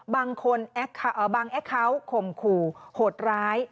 บางแอคเคาน์ข่มขู่หดร้าย